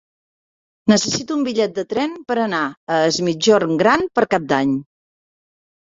Necessito un bitllet de tren per anar a Es Migjorn Gran per Cap d'Any.